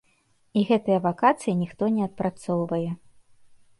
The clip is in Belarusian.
І гэтыя вакацыі ніхто не адпрацоўвае.